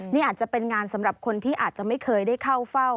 นี่อาจจะเป็นงานสำหรับคนที่อาจจะไม่เคยได้เข้าเฝ้า